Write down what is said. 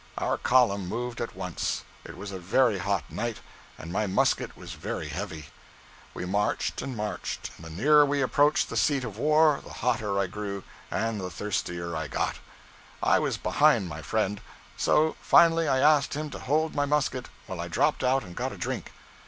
Our column moved at once. It was a very hot night, and my musket was very heavy. We marched and marched; and the nearer we approached the seat of war, the hotter I grew and the thirstier I got. I was behind my friend; so, finally, I asked him to hold my musket while I dropped out and got a drink.